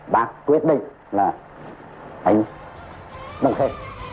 bác quyết định là đánh đông khê